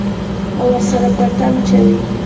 او ورسره پټن چوي.